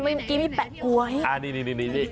โอ้ไทยเมื่อกี้นี่มีแปะกรวย